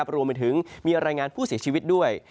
รวมไปถึงมีรายงานผู้เสียชีวิตด้วย